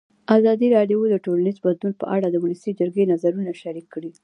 ازادي راډیو د ټولنیز بدلون په اړه د ولسي جرګې نظرونه شریک کړي.